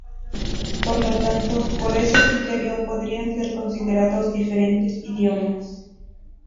Por lo tanto, por ese criterio, podrían ser considerados diferentes idiomas.